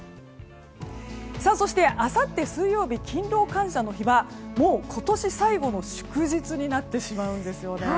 そして、あさって水曜日勤労感謝の日はもう今年最後の祝日になってしまうんです。